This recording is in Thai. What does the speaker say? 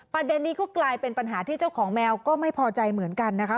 ประเด็นนี้ก็กลายเป็นปัญหาที่เจ้าของแมวก็ไม่พอใจเหมือนกันนะคะ